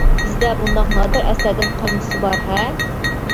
بىزدە بۇنداق نادىر ئەسەردىن قانچىسى بار-ھە.